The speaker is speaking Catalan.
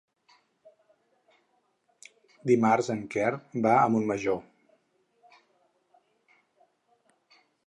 Dimarts en Quer va a Montmajor.